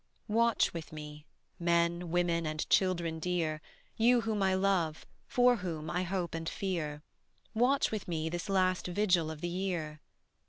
Watch with me, men, women, and children dear, You whom I love, for whom I hope and fear, Watch with me this last vigil of the year.